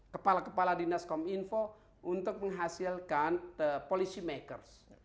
kepala kepala dinas kom info untuk menghasilkan policy makers